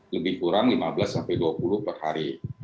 jadi kurang lima belas dua puluh per hari